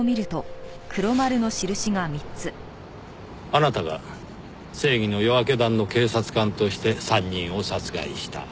あなたが正義の夜明け団の警察官として３人を殺害した。